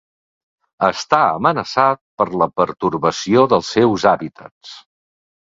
Està amenaçat per la pertorbació dels seus hàbitats.